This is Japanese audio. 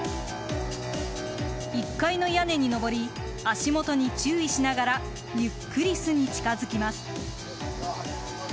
１階の屋根に上り足元に注意しながらゆっくり巣に近づきます。